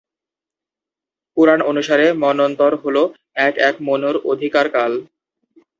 পুরাণ অনুসারে, মন্বন্তর হ'ল এক এক মনুর অধিকার-কাল।